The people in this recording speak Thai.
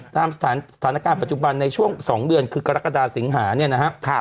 ตามสถานการณ์ปัจจุบันในช่วง๒เดือนคือกรกฎาสิงหาเนี่ยนะครับ